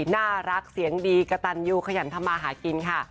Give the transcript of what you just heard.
น่ารักเสียงดีกระตันยูขยันทำมาหากินค่ะ